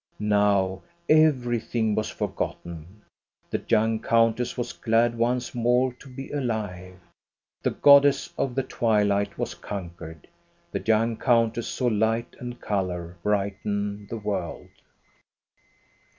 Now everything was forgotten. The young countess was glad once more to be alive. The goddess of the twilight was conquered. The young countess saw light and color brighten the world.